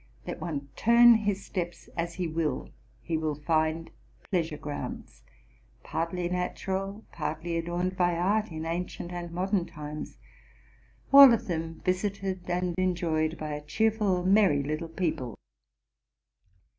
Let one turn his steps as he will, he will find pleasure grounds, partly natural, partly adorned by art in ancient and modern times, all of them visited aid en RELATING TO MY LIFE. 305 joyed by a cheerful, merry little people.